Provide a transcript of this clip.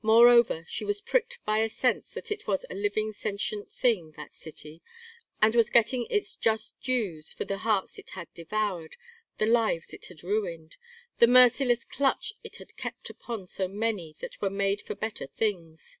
Moreover, she was pricked by a sense that it was a living sentient thing, that city, and was getting its just dues for the hearts it had devoured, the lives it had ruined, the merciless clutch it had kept upon so many that were made for better things.